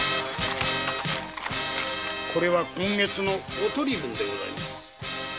今月のお取り分でございます。